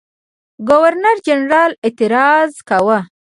ګورنرجنرال اعتراض کاوه.